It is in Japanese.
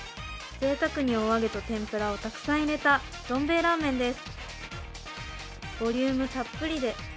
ぜいたくにおあげと天ぷらをいっぱい入れたどん兵衛ラーメンです。